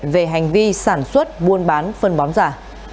về hành vi sản xuất buôn bán phân bón giả